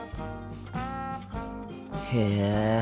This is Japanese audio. へえ。